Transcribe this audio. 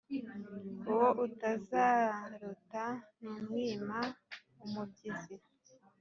Uwo utazaruta ntumwima umubyizi